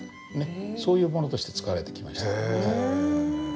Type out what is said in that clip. そういうものとして使われてきました。